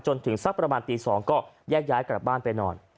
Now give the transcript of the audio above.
สักประมาณตี๒ก็แยกย้ายกลับบ้านไปนอน